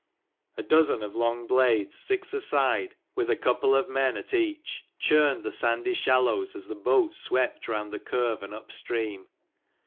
A 'dozen of long blades, six aside, with a 13 Couple of men at each, churned the sandy shallows, as the boat swept round the curve and up stream.